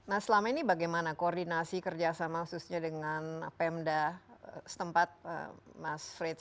nah selama ini bagaimana koordinasi kerjasama khususnya dengan pemda setempat mas frits